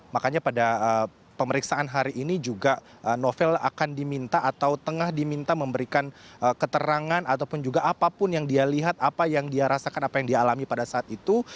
makanya pada pemeriksaan hari ini juga novel akan diminta atau tengah diminta memberikan keterangan ataupun juga apapun yang dia lihat apa yang dia rasakan apa yang dia alami pada saat itu